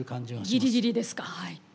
ギリギリですかはい。